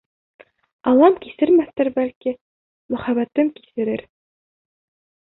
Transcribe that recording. Аллам кисермәҫтер, бәлки, мөхәббәтем кисерер.